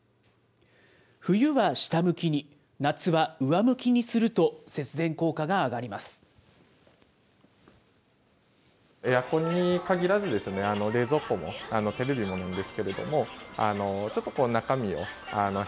冬は下向きに、夏は上向きにすると、節電効果が上がります。